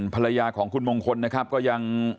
ภรรยาของคุณมงคลนะครับก็ยัง